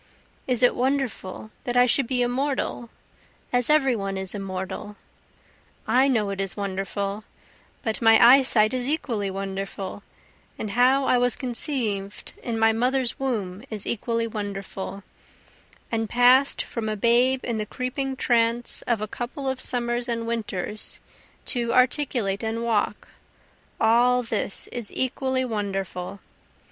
Is it wonderful that I should be immortal? as every one is immortal; I know it is wonderful, but my eyesight is equally wonderful, and how I was conceived in my mother's womb is equally wonderful, And pass'd from a babe in the creeping trance of a couple of summers and winters to articulate and walk all this is equally wonderful.